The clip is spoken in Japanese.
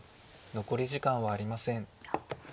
残り時間はありません。